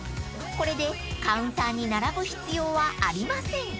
［これでカウンターに並ぶ必要はありません］